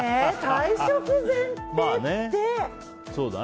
退職前提って。